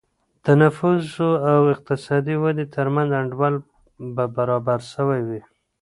د نفوسو او اقتصادي ودي ترمنځ انډول به برابر سوی وي.